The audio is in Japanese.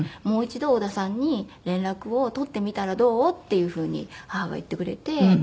「もう一度織田さんに連絡を取ってみたらどう？」っていうふうに母が言ってくれて。